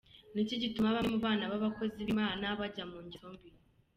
Ni iki gituma bamwe mu bana b’Abakozi b’Imana bajya mu ngeso mbi?